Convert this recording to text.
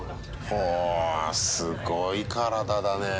ほおすごい体だね。